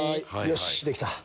よしできた。